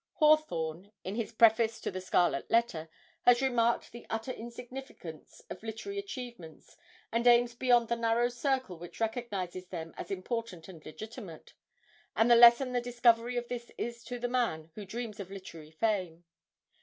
Hawthorne, in his preface to the 'Scarlet Letter,' has remarked the utter insignificance of literary achievements and aims beyond the narrow circle which recognises them as important and legitimate, and the lesson the discovery of this is to the man who dreams of literary fame.